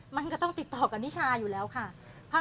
มันก็ต้องติดต่อกับนิชาอยู่แล้วค่ะ